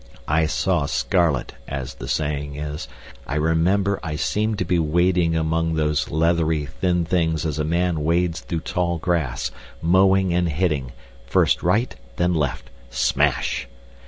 I saw scarlet, as the saying is. I remember I seemed to be wading among those leathery, thin things as a man wades through tall grass, mowing and hitting, first right, then left; smash.